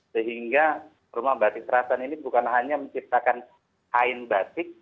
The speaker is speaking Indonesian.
sehingga rumah batik selatan ini bukan hanya menciptakan hain batik